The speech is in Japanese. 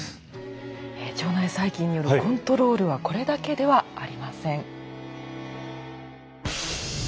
腸内細菌によるコントロールはこれだけではありません。